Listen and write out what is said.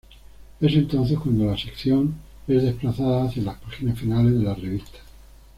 Es entonces cuando la sección es desplazada hacia las páginas finales de la revista.